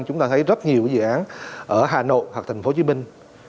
chúng ta thấy rất nhiều dự án ở hà nội hoặc thành phố hồ chí minh